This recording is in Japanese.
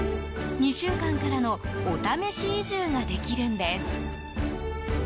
２週間からのお試し移住ができるんです。